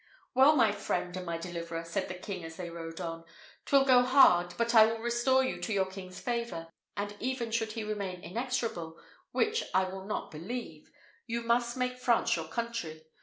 "Well, my friend and my deliverer," said the king, as they rode on, "'twill go hard but I will restore you to your king's favour; and even should he remain inexorable, which I will not believe, you must make France your country.